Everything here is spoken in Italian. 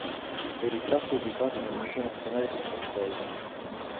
Il ritratto è ubicato nel Museo nazionale di Stoccolma.